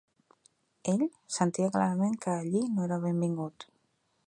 Ell sentia clarament que allí no era benvingut.